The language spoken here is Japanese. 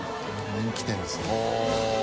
人気店ですね。